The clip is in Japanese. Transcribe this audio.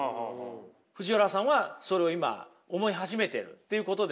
藤原さんはそれを今思い始めてるっていうことですよね。